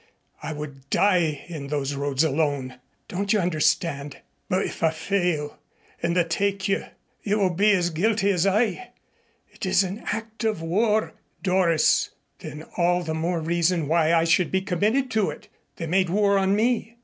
I would die in those roads alone. Don't you understand?" "But if I fail and they take you, you will be as guilty as I. It's an act of war, Doris." "Then all the more reason why I should be committed to it. They made war on me."